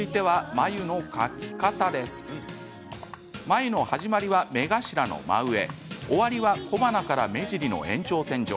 眉の始まりは目頭の真上終わりは小鼻から目尻の延長線上。